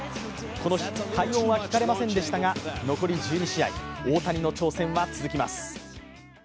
この日、快音は聞かれませんでしたが残り１２試合大谷の挑戦は続きます。